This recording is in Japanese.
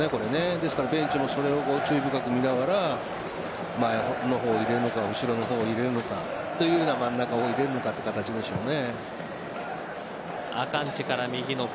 ですからベンチもそれを注意深く見ながら前の方入れるのか後ろの方入れるのか真ん中を入れるのかという形でしょうね。